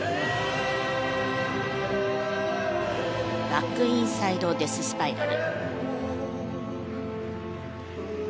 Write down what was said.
バックインサイドデススパイラル。